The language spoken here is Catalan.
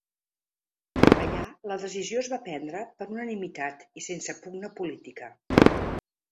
Allà la decisió es va prendre per unanimitat i sense pugna política.